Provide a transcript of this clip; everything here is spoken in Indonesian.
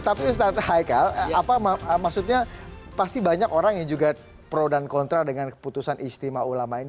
tapi ustadz haikal apa maksudnya pasti banyak orang yang juga pro dan kontra dengan keputusan istimewa ulama ini